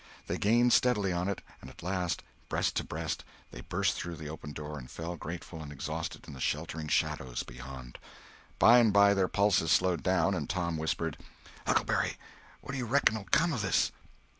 They gained steadily on it, and at last, breast to breast, they burst through the open door and fell grateful and exhausted in the sheltering shadows beyond. By and by their pulses slowed down, and Tom whispered: "Huckleberry, what do you reckon'll come of this?"